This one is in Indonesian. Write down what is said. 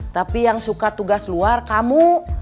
tapi yang suka tugas luar kamu